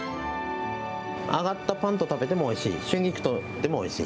揚がったパンと食べてもおいしいですし、春菊とでもおいしい。